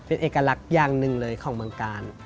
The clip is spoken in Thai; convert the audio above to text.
เป็นเอกลักษณ์อย่างหนึ่งเลยของเมืองกาล